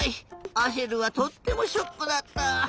アシェルはとってもショックだった。